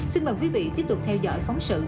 xin mời quý vị tiếp tục theo dõi phóng sự